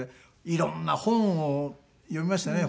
いろんな本を読みましたね